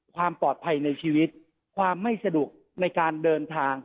ความปลอดภัยในชีวิตความไม่สะดวกในการเดินทาง